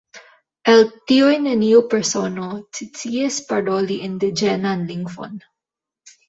El tiuj neniu persono sciis paroli indiĝenan lingvon.